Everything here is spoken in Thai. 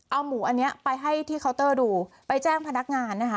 เอาหมูอันนี้ไปให้ที่เคาน์เตอร์ดูไปแจ้งพนักงานนะคะ